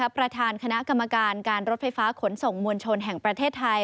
ประธานคณะกรรมการการรถไฟฟ้าขนส่งมวลชนแห่งประเทศไทย